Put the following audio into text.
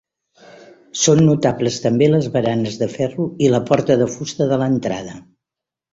Són notables també les baranes de ferro i la porta de fusta de l'entrada.